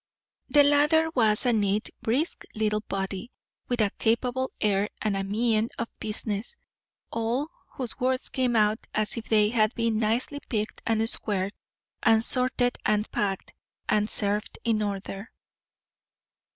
The latter was a neat, brisk little body, with a capable air and a mien of business; all whose words came out as if they had been nicely picked and squared, and sorted and packed, and served in order.